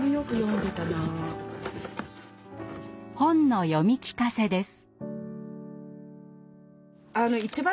本の読み聞かせです。